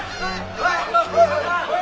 はい！